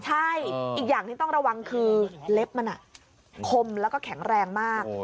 ใช่อีกอย่างที่ต้องระวังคือเล็บมันคมแล้วก็แข็งแรงมาก